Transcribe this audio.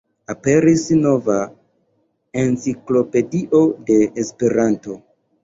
Aperis nova enciklopedio de Esperanto!